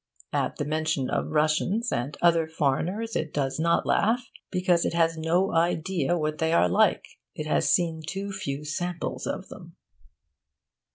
(At the mention of Russians and other foreigners it does not laugh, because it has no idea what they are like: it has seen too few samples of them.)